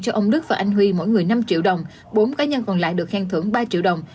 cho ông đức và anh huy mỗi người năm triệu đồng bốn cá nhân còn lại được khen thưởng ba triệu đồng